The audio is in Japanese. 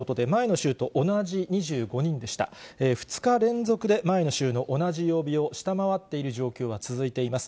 ２日連続で前の週の同じ曜日を下回っている状況は続いています。